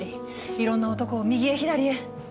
いろんな男を右へ左へ。